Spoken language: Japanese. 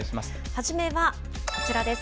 初めはこちらです。